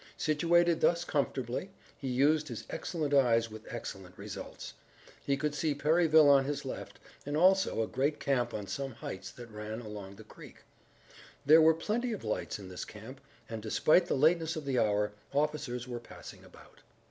Situated thus comfortably, he used his excellent eyes with excellent results. He could see Perryville on his left, and also a great camp on some heights that ran along the creek. There were plenty of lights in this camp, and, despite the lateness of the hour, officers were passing about.